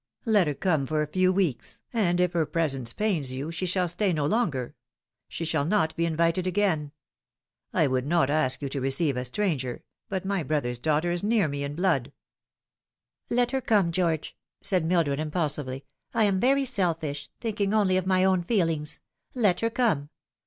Let her come for a few weeks, and if her presence pains you she shall stay no longer. She shall not be invited again. I would not ask you to receive a stranger, but my brother's daughter is near me in blood." " Let her come, George," said Mildred impulsively ;" I am very selfish thinking only of my own feelings. Let her come.